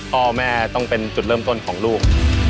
พ่อแม่ต้องเป็นจุดเริ่มต้นของลูก